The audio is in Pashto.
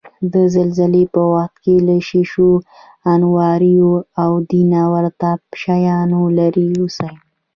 د زلزلې په وخت کې له شیشو، انواریو، او دېته ورته شیانو لرې اوسئ.